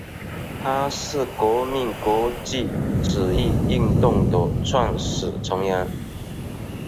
它是革命国际主义运动的创始成员。